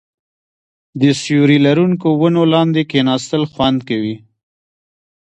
د سیوري لرونکو ونو لاندې کیناستل خوند کوي.